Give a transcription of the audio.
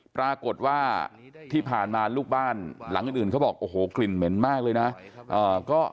ปรากฏว่าที่ผ่านมาลูกบ้านหลังอื่นเขาบอกโอ้โหกลิ่นเหม็นมากเลยนะ